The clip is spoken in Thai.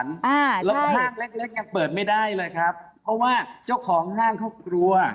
แล้วก็ห้างเล็กเล็กยังเปิดไม่ได้เลยครับเพราะว่าเจ้าของห้างเขากลัว